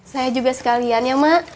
saya juga sekalian ya mak